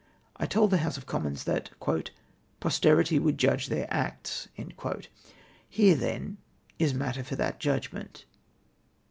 I told the House of Commons that '•'■ 2'>osterity wouhi judge their acts.'" Here, then, is matter lV)r that judg ment.